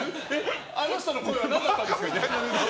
あの人の声は何だったんですか？